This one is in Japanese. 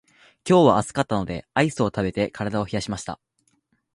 今日は暑かったのでアイスを食べて体を冷やしました。